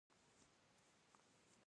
دی احتیاط سره ګامونه اخيستل.